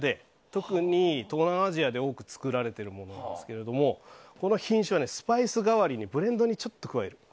特に東南アジアで多く作られているものなんですけどこの品種は、スパイス代わりにブレンドにちょっと加える。